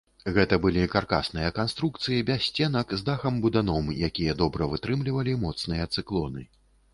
Гэта былі каркасныя канструкцыі без сценак з дахам-буданом, якія добра вытрымлівалі моцныя цыклоны.